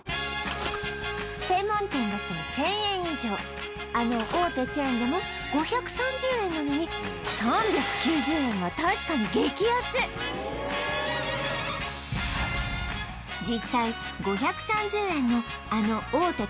そうあの大手チェーンでも５３０円なのに３９０円は確かに激安実際５３０円のあの大手